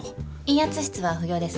陰圧室は不要です。